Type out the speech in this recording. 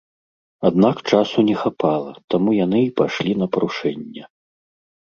Аднак часу не хапала, таму яны і пайшлі на парушэнне.